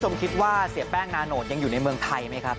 คุณผู้ชมคิดว่าเสียแป้งนาโนตยังอยู่ในเมืองไทยไหมครับ